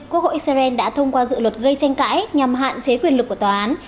quốc hội israel đã thông qua dự luật gây tranh cãi nhằm hạn chế quyền lực của tòa án